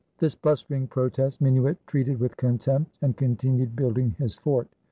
This blustering protest Minuit treated with contempt and continued building his fort.